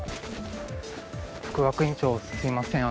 副学院長すみません